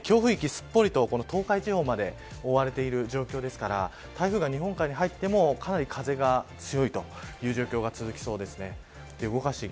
すっぽりと東海地方まで覆われている状況ですから台風が日本海に入ってもかなり風が強い状況が続きそうですね。